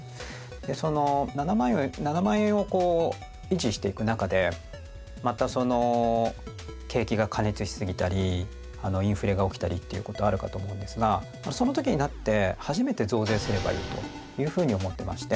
でその７万円をこう維持していく中でまたその景気が過熱しすぎたりインフレが起きたりっていうことあるかと思うんですがその時になって初めて増税すればいいというふうに思ってまして。